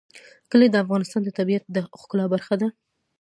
کلي د افغانستان د طبیعت د ښکلا برخه ده.